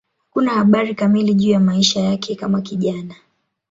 Hakuna habari kamili juu ya maisha yake kama kijana.